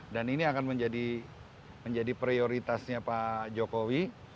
dan ini akan menjadi prioritasnya pak jokowi